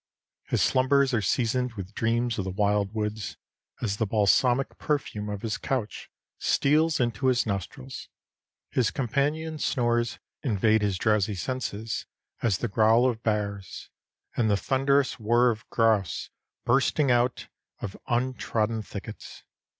His slumbers are seasoned with dreams of the wild woods, as the balsamic perfume of his couch steals into his nostrils; his companions' snores invade his drowsy senses as the growl of bears, and the thunderous whir of grouse bursting out of untrodden thickets.